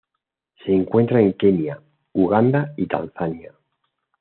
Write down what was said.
Se encuentra en Kenia, Uganda y Tanzania.